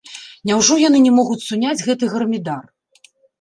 Няўжо яны не могуць суняць гэты гармідар?